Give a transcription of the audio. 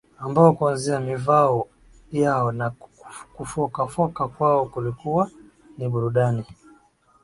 Ambao kuanzia mivao yao na kufoka foka kwao kulikuwa ni burudani